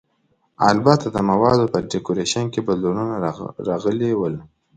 البته د موادو په ډیکورېشن کې بدلونونه راغلي ول.